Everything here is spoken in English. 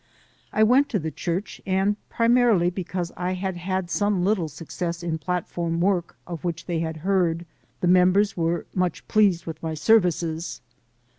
I went to the church, and, primarily because I had had some little success in platform work of which they had heard, the mem bers were much pleased with my services.